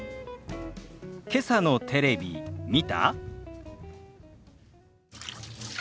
「けさのテレビ見た？」。